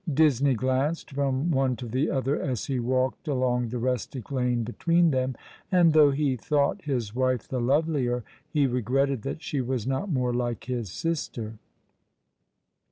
Disney glanced from one to the other as he walked along the rustic lane between them ; and, though he thought his wife the lovelier, ho regretted that she was not more like his sister.